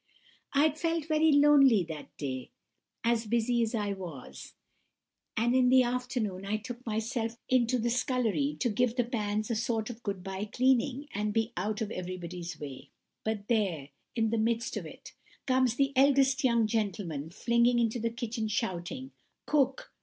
"I'd felt very lonely that day, busy as I was, and in the afternoon I took myself into the scullery to give the pans a sort of good bye cleaning, and be out of everybody's way. But there, in the midst of it, comes the eldest young gentleman flinging into the kitchen, shouting, 'Cook!